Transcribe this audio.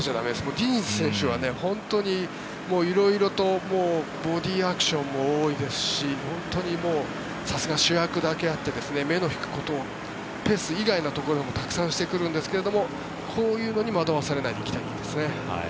ディニズ選手は本当に色々とボディーアクションも多いですしさすが主役だけあって目の引くことをペース以外のところもたくさんしてくるんですけどこういうのに惑わされないでいきたいです。